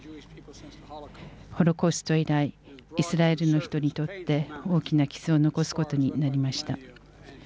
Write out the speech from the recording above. ホロコースト以来イスラエルの人にとって大きな傷を残すことになりました。